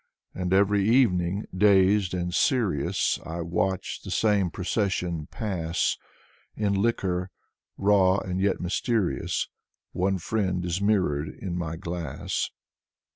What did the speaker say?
And every evening, dazed and serious, I watch the same procession pass; In liquor, raw and yet mysterious. One friend is mirrored in my glass.